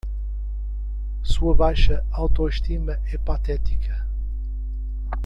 Sua baixa auto-estima é patética.